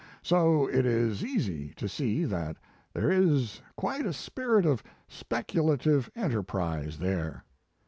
So it is easy to see that there is quite a spirit of speculative enterprise there.